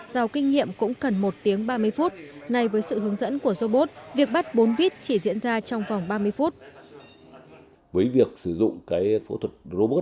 dào kinh nghiệm cũng cần một tiếng ba mươi phút